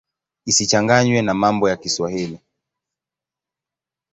Isichanganywe na mambo ya Kiswahili.